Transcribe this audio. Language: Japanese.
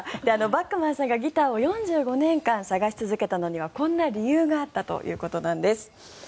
バックマンさんがギターを４５年間捜し続けたのはこんな理由があったということなんです。